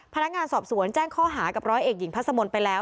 พนักงานสอบสวนแจ้งข้อหากับร้อยเอกหญิงพัสมนต์ไปแล้ว